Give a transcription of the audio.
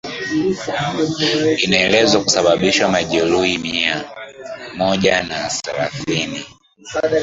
inaelezwa kusababisha majeruhi mia moja na thelathini